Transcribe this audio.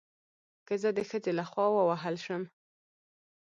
که زه د ښځې له خوا ووهل شم